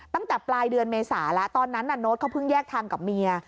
ตั้งแต่ปลายเดือนเมษานี้โน๊ตค่ะเขาเพิ่งแยกทางกับเมีย